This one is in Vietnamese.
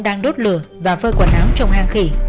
đang đốt lửa và phơi quả nám trong hang khỉ